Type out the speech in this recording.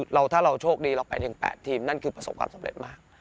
ถ้าเราโชคดีเราไปถึง๘ทีมนั่นคือประสบความสำเร็จมาก